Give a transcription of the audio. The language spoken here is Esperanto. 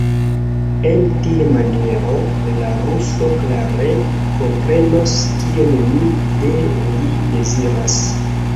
En tia maniero la ruso klare komprenos, kion mi de li deziras.